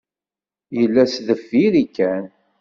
Yella sdeffir-i kan.